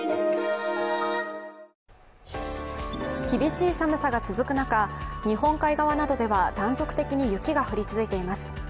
厳しい寒さが続く中、日本海側などでは断続的に雪が降り続いています。